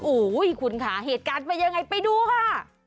โอ้โหคุณค่ะเหตุการณ์เป็นยังไงไปดูค่ะ